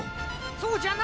そうじゃな。